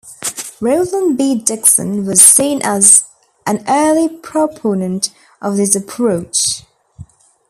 Roland B. Dixon was seen as an early proponent of this approach.